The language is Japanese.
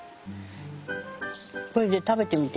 これ食べてみて。